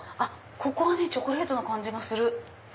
ここはねチョコレートの感じがする。